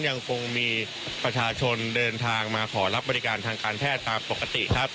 ยังคงมีประชาชนเดินทางมาขอรับบริการทางการแพทย์ตามปกติครับ